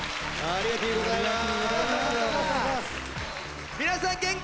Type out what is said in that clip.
ありがとうございます。